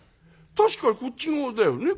確かこっち側だよね？